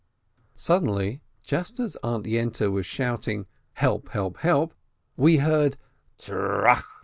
Suddenly, just as Aunt Yente was shouting, "Help, help, help!" we heard trrraach!